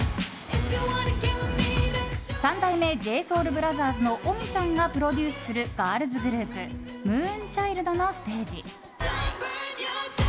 三代目ＪＳＯＵＬＢＲＯＴＨＥＲＳのφＭＩさんがプロデュースするガールズグループＭＯＯＮＣＨＩＬＤのステージ。